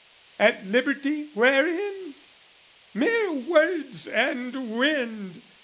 At liberty wherein? Mere words and wind!